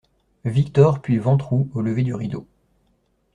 Victor puis Ventroux Au lever du rideau.